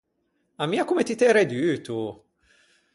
Ammia comme ti t’ê reduto!